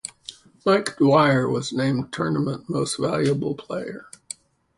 Mike Dwyer was named Tournament Most Valuable Player.